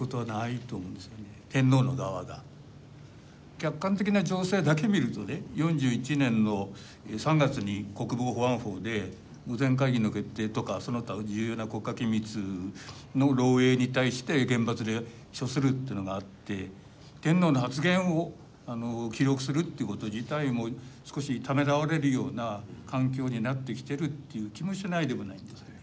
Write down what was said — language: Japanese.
客観的な情勢だけ見るとね４１年の３月に国防保安法で御前会議の決定とかその他重要な国家機密の漏洩に対して厳罰に処するっていうのがあって天皇の発言を記録するということ自体も少しためらわれるような環境になってきているという気もしないでもないんですね。